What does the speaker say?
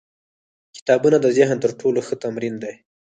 کتابونه د ذهن تر ټولو ښه تمرین دی.